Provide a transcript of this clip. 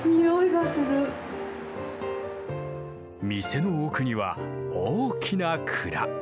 店の奥には大きな蔵。